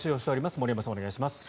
森山さん、お願いします。